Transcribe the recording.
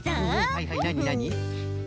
はいはいなになに？